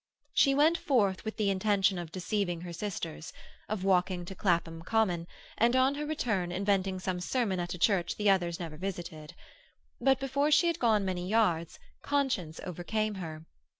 She went forth with the intention of deceiving her sisters, of walking to Clapham Common, and on her return inventing some sermon at a church the others never visited. But before she had gone many yards conscience overcame her.